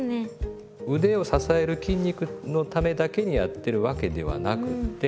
腕を支える筋肉のためだけにやってるわけではなくって。